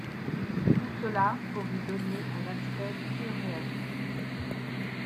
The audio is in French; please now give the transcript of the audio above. Tout cela pour lui donner un aspect plus réaliste.